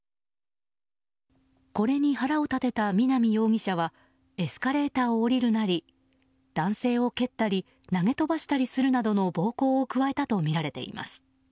これに腹を立てた南容疑者はエスカレーターを降りるなり男性を蹴ったり投げ飛ばしたりするなどの暴行を加えたとみられています。